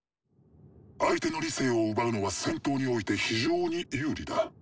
相手の理性を奪うのは戦闘において非常に有利だ。